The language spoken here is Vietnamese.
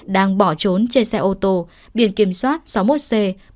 đang bỏ trốn chơi xe ô tô biển kiểm soát sáu mươi một c bốn mươi năm nghìn